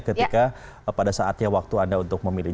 ketika pada saatnya waktu anda untuk memilih